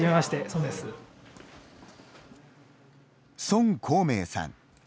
孫江明さん。